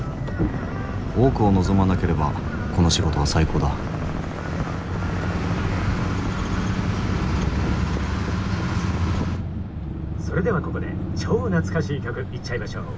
多くを望まなければこの仕事は最高だ「それではここで超懐かしい曲いっちゃいましょう。